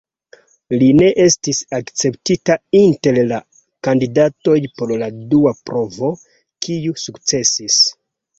Li ne estis akceptita inter la kandidatoj por la dua provo, kiu sukcesis.